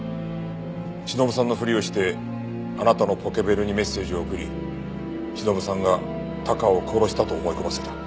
しのぶさんのふりをしてあなたのポケベルにメッセージを送りしのぶさんがタカを殺したと思い込ませた。